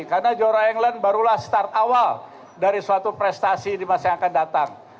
karena jorah england barulah start awal dari suatu prestasi di masa yang akan datang